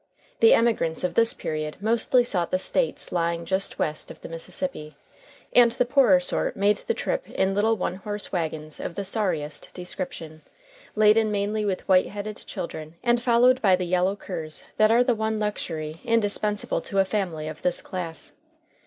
The emigrants of this period mostly sought the States lying just west of the Mississippi, and the poorer sort made the trip in little one horse wagons of the sorriest description, laden mainly with white headed children and followed by the yellow curs that are the one luxury indispensable to a family of this class.